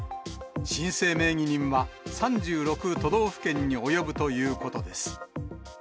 申請名義人は３６都道府県に及ぶということです。